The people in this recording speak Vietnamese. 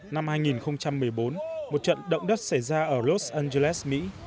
năm hai nghìn một mươi bốn một trận động đất xảy ra ở los angeles mỹ